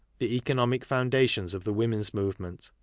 The Economic Foundations ol the' Women's Movement.